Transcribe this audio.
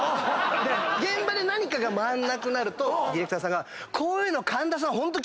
現場で何かが回んなくなるとディレクターさんが。